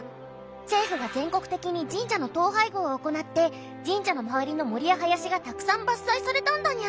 政府が全国的に神社の統廃合を行って神社の周りの森や林がたくさん伐採されたんだにゃ。